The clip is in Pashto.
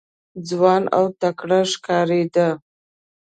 ځوان او تکړه ښکارېده.